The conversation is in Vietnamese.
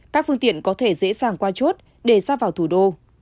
các phương tiện có thể dễ dàng qua chốt để ra vào thủ đô